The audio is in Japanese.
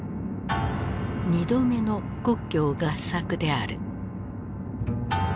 ２度目の国共合作である。